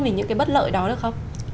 về những cái bất lợi đó được không